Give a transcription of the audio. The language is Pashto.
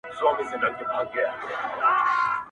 هغو چي کړه تسخیر د اسمان ستوريقاسم یاره